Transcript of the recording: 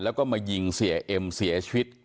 แล้วก็มายิงเสียเอ็มเสียชีวิต